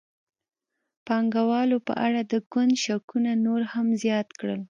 د پانګوالو په اړه د ګوند شکونه نور هم زیات کړل.